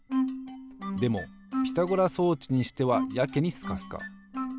でもピタゴラ装置にしてはやけにスカスカ。